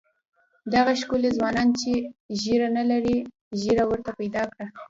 دغه ښکلي ځوانان چې ږیره نه لري ږیره ورته پیدا کړه.